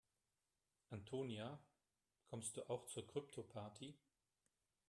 Antonia, kommst du auch zur Kryptoparty?